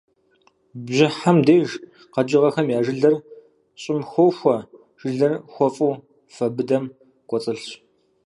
Бжьыхьэм деж къэкӏыгъэхэм я жылэр щӏым хохуэ, жылэр хуэфӏу фэ быдэм кӏуэцӏылъщ.